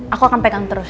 aku akan pegang terus